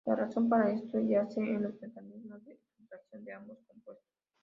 La razón para esto yace en los mecanismos de filtración de ambos compuestos.